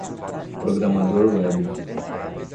Programador Web.